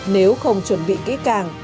nếu không chuẩn bị kỹ càng